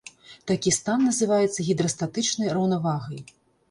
Такі стан называецца гідрастатычнай раўнавагай.